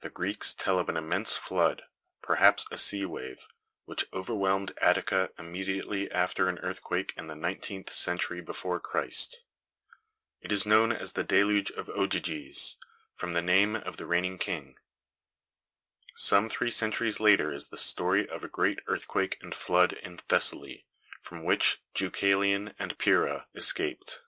The Greeks tell of an immense flood perhaps a sea wave which overwhelmed Attica immediately after an earthquake in the nineteenth century before Christ. It is known as the deluge of Ogyges, from the name of the reigning king. Some three centuries later is the story of a great earthquake and flood in Thessaly, from which Deucalion and Pyrrha escaped.